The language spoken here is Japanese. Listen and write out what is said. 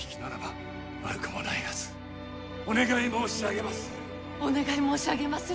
そしてお願い申し上げまする。